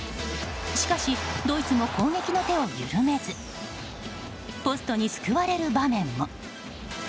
しかしドイツも攻撃の手を緩めずポストに救われる場面も。